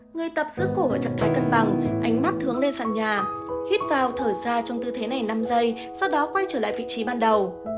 người tập giữa cổ ở trạng thái cân bằng ánh mắt thướng lên sàn nhà hít vào thở ra trong tư thế này năm giây sau đó quay trở lại vị trí ban đầu